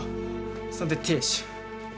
そんで亭主。